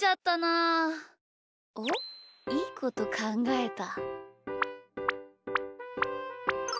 あっいいことかんがえた。